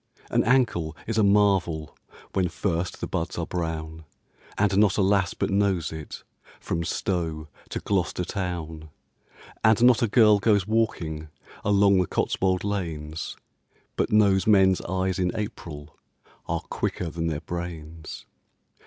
An ankle is a marvel When first the buds are brown, And not a lass but knows it From Stow to Gloucester town. And not a girl goes walking Along the Cotswold lanes But knows men's eyes in April Are quicker than their brains.